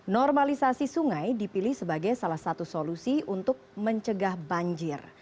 normalisasi sungai dipilih sebagai salah satu solusi untuk mencegah banjir